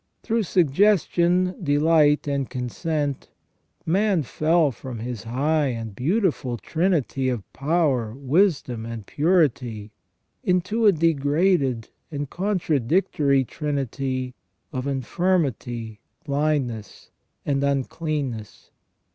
Through suggestion, delight, and consent, man fell from his high and beautiful trinity of power, wisdom, and purity into a degraded and contradictory trinity of infirmity, blindness, and uncleanness.